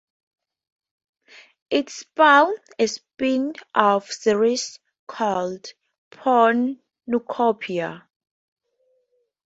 It spawned a spin-off series called "Pornucopia".